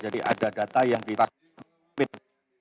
jadi ada data yang ditanggung